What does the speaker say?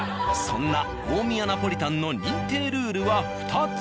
そんな大宮ナポリタンの認定ルールは２つ。